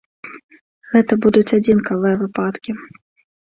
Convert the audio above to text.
Гэта будуць адзінкавыя выпадкі.